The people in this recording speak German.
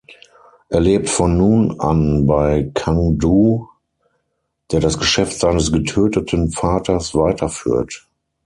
Er lebt von nun an bei Kang-doo, der das Geschäft seines getöteten Vaters weiterführt.